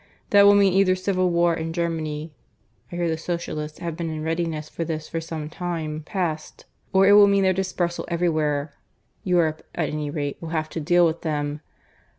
That will mean either civil war in Germany (I hear the Socialists have been in readiness for this for some time past) or it will mean their dispersal everywhere. Europe, at any rate, will have to deal with them.